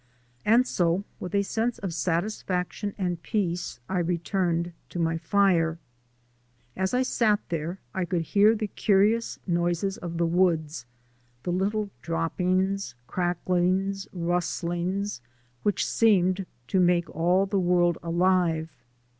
And so, with a sense of satisfaction and peace, I returned to my fire. As I sat there I could hear the curious noises of the woods, the little droppings, cracklings, rustlings which seemed to make all the world alive.